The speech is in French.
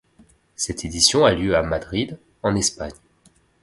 Cette édition a lieu à Madrid, en Espagne.